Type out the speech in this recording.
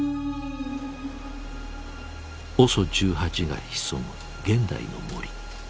ＯＳＯ１８が潜む現代の森。